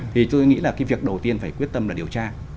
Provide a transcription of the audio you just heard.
thì tôi nghĩ là cái việc đầu tiên phải quyết tâm là điều tra